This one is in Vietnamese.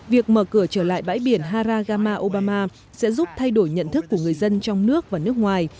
việc mở cửa trở lại bãi biển haragama obama sẽ giúp thay đổi nhận thức của người dân trong nước và nước ngoài